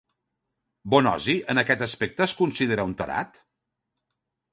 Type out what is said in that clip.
Bonosi en aquest aspecte es considera un tarat?